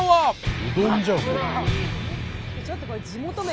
うどんじゃんもう。